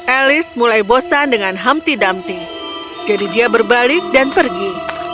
elis mulai bosan dengan hamti damti jadi dia berbalik dan pergi